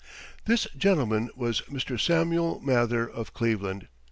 This gentleman was Mr. Samuel Mather of Cleveland.